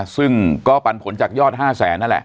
ซึ่งก็ปันผลจากยอด๕แสนนั่นแหละ